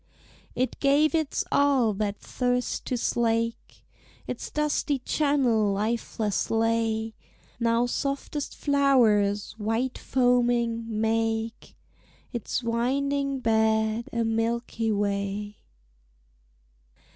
It gave its all that thirst to slake; Its dusty channel lifeless lay; Now softest flowers, white foaming, make Its winding bed a Milky Way.